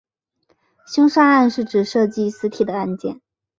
凶杀案是指涉及死体的案件。